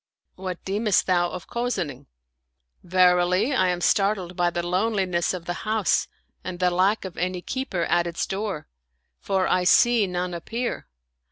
"What deemest thou of cozening? "" Verily, I am startled by the loneliness of the house and the lack of any keeper at its door ; for I see none appear."